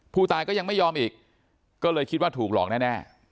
ผู้ตายก็ยังไม่ยอมอีกก็เลยคิดว่าถูกหลอกแน่